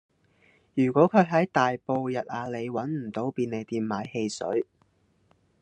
如果佢喺大埔逸雅里搵唔到便利店買汽水